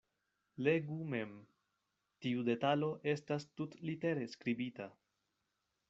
Legu mem: tiu detalo estas tutlitere skribita.